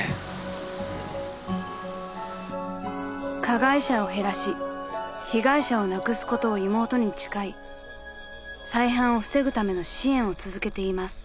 ［加害者を減らし被害者をなくすことを妹に誓い再犯を防ぐための支援を続けています］